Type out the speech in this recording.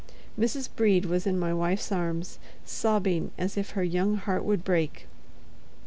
Mrs. Brede was in my wife's arms, sobbing as if her young heart would break.